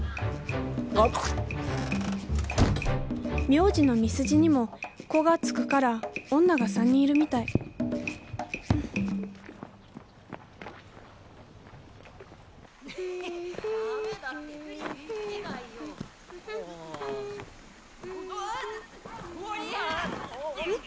名字の見須子にも子が付くから女が３人いるみたいおりゃ！ん？